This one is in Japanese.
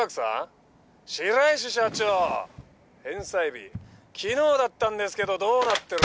白石社長返済日昨日だったんですけどどうなってる。